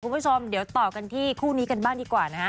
คุณผู้ชมเดี๋ยวต่อกันที่คู่นี้กันบ้างดีกว่านะฮะ